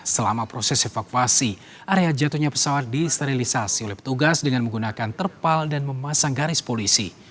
selama proses evakuasi area jatuhnya pesawat disterilisasi oleh petugas dengan menggunakan terpal dan memasang garis polisi